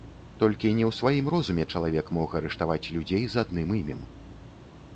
Толькі не ў сваім розуме чалавек мог арыштаваць людзей з адным імем.